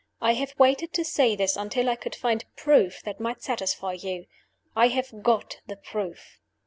I have waited to say this until I could find proof that might satisfy you. I have got the proof.